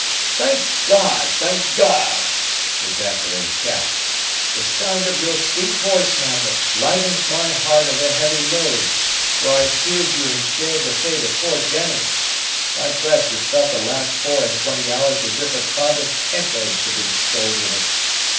"Thank God! thank God!" ejaculated Cap; "the sound of your sweet voice, Magnet, lightens my heart of a heavy load, for I feared you had shared the fate of poor Jennie. My breast has felt the last four and twenty hours as if a ton of kentledge had been stowed in it.